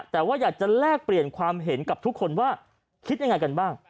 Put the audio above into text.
แต่ว่าอยากจะแลกเปลี่ยนความเห็นกับทุกคนว่าคิดยังไงกันบ้าง